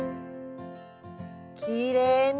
きれいね。